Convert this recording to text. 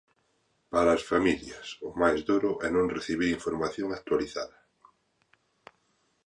Para as familias, o máis duro é non recibir información actualizada.